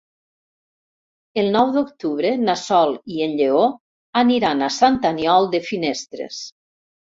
El nou d'octubre na Sol i en Lleó aniran a Sant Aniol de Finestres.